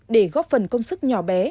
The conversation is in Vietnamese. để góp phần công sức nhỏ bé